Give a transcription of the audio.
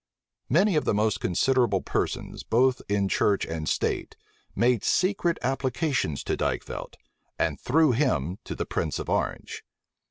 Many of the most considerable persons, both in church and state, made secret applications to Dykvelt, and through him to the prince of Orange.